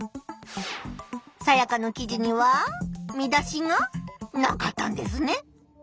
サヤカの記事には見出しがなかったんですね。